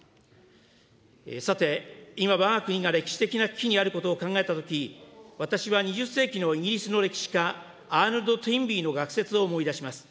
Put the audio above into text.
さて、今、わが国が歴史的な危機にあることを考えたとき、私は２０世紀のイギリスの歴史家、アーノルド・トインビーの学説を思い出します。